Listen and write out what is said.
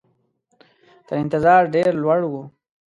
تر انتظار ډېر لوړ وو.